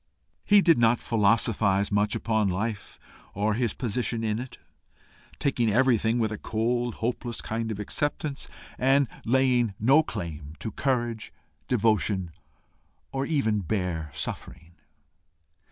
He did not philosophize much upon life or his position in it, taking everything with a cold, hopeless kind of acceptance, and laying no claim to courage, devotion, or even bare suffering.